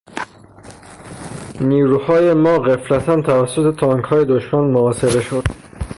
نیروهای ما غفلتا توسط تانکهای دشمن محاصره شد.